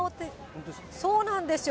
そうなんですよ。